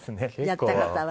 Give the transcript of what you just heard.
やった方は。